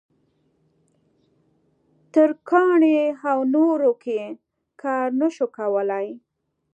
ترکاڼۍ او نورو کې کار نه شوای کولای.